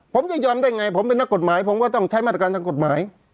ผมจะยอมได้ไงผมเป็นนักกฎหมายผมก็ต้องใช้มาตรการทางกฎหมาย